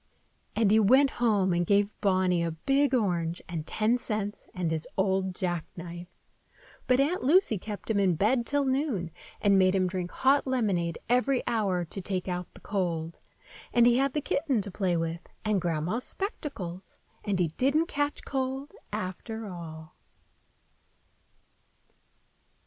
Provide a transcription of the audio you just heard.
And he went home and gave Bonny a big orange and ten cents and his old jackknife. But Aunt Lucy kept him in bed till noon, and made him drink hot lemonade every hour to take out the cold; and he had the kitten to play with, and Grandma's spectacles, and he didn't catch cold, after all.